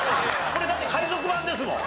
これだって海賊版ですもん。